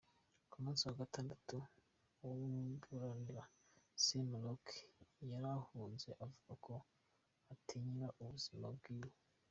Ku musi wa gatandatu, uwumuburanira, Saif Mulook, yarahunze avuga ko atinyirira ubuzima bwiwe.